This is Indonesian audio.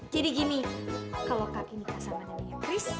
jadi gini kalau kak ini nikah sama neneknya kris